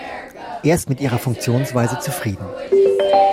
Er ist mit ihrer Funktionsweise zufrieden.